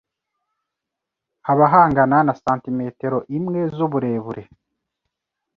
haba hangana na santimetero imwe z'uburebure.